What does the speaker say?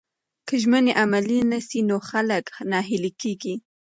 که ژمنې عملي نسي نو خلک ناهیلي کیږي.